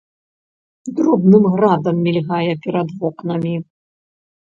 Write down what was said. Дробным градам мільгае перад вокнамі.